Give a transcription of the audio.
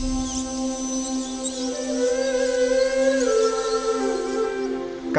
kabupaten banggai sulawesi tengah